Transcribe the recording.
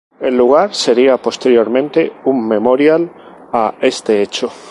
El lugar sería posteriormente un memorial a este hecho.